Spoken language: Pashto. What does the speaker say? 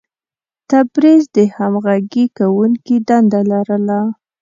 تبریز د همغږي کوونکي دنده لرله.